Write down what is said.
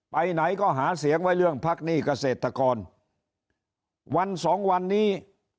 ไปไหนก็หาเสียงไว้เรื่องพักหนี้เกษตรกรวันสองวันนี้